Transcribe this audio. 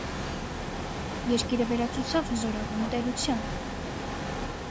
Երկիրը վերածուեցաւ հզօրագոյն տէրութեան։